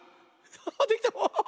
あできた！